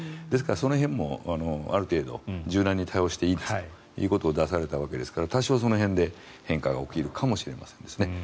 ですからその辺もある程度柔軟に対応していいということを出されたわけですから多少、その辺で変化が起きるかもしれないですね。